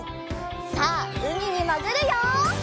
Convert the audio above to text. さあうみにもぐるよ！